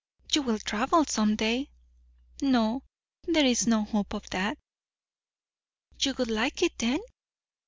"You will travel some day." "No, there is no hope of that." "You would like it, then?"